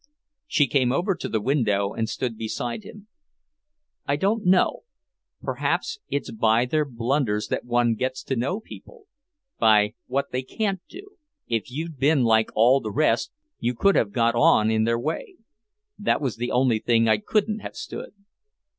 She came over to the window and stood beside him. "I don't know; perhaps it's by their blunders that one gets to know people, by what they can't do. If you'd been like all the rest, you could have got on in their way. That was the one thing I couldn't have stood."